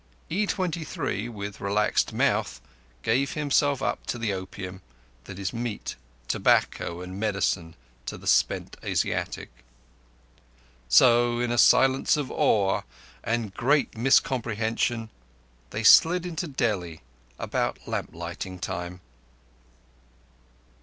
E23, with relaxed mouth, gave himself up to the opium that is meat, tobacco, and medicine to the spent Asiatic. So, in a silence of awe and great miscomprehension, they slid into Delhi about lamp lighting time.